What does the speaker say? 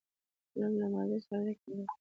قلم له ماضي سره اړیکه لري